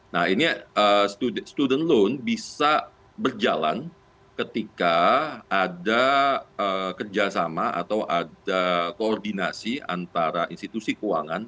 nah ini student loan bisa berjalan ketika ada kerjasama atau ada koordinasi antara institusi keuangan